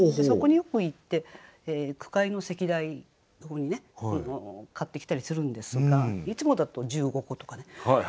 そこによく行って句会の席題用にね買ってきたりするんですがいつもだと１５個とかね。